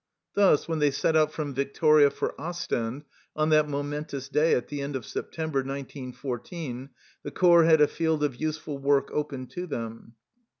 Thus when they set out from Victoria for Ostend on that momentous day at the end of September, 1914, the corps had a field of useful work open to them.